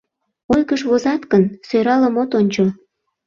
Ойгыш возат гын, сӧралым от ончо.